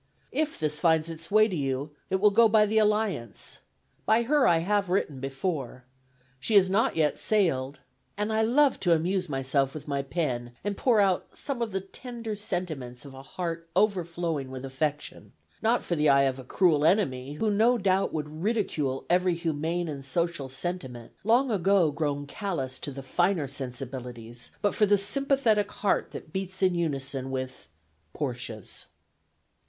If this finds its way to you, it will go by the Alliance. By her I have written before. She has not yet sailed, and I love to amuse myself with my pen, and pour out some of the tender sentiments of a heart overflowing with affection, not for the eye of a cruel enemy, who, no doubt, would ridicule every humane and social sentiment, long ago grown callous to the finer sensibilities, but for the sympathetic heart that beats in unison with "PORTIA'S."